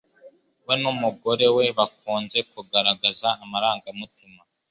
we n' umugore we bakunze kugaragaza amarangamutima